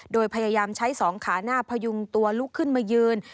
โดยพยายามใช้สองขาหน้าพยุงตัวลุกขึ้นมายืน